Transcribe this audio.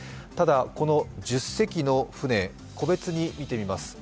ただ１０隻の船、個別に見てみます。